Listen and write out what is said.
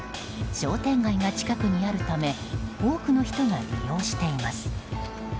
商店街が近くにあるため多くの人が利用しています。